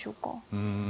うん。